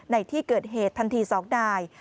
ในที่เกิดเหตุทันที๒นาย